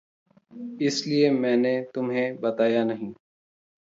इसीलिये मैंने तुम्हें बताया नहीं।